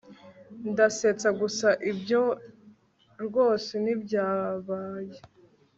Ndasetsa gusa Ibyo rwose ntibyabaye